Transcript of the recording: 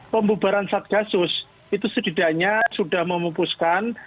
pembubaran satgasus itu setidaknya sudah memupuskan